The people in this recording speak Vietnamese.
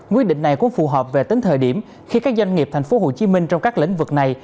quyết định này cũng phù hợp về tính thời điểm khi các doanh nghiệp tp hcm trong các lĩnh vực này